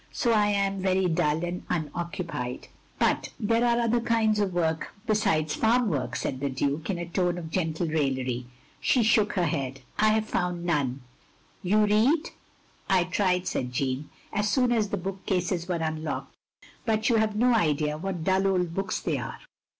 So I am very dull and tmoccupied." "But there are other kinds of work besides farm work," said the Duke, in a tone of gentle raillery. She shook her head. " I have found none. ": You read?" I tried," said Jeanne, " as soon as the book cases were unlocked. But you have no idea what dull old books they are.